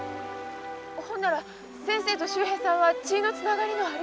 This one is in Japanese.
ほんなら先生と秀平さんは血のつながりのある。